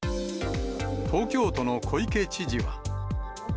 東京都の小池知事は。